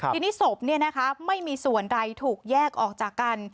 ทีนี้ศพไม่มีส่วนใดถูกแยกออกจากกัน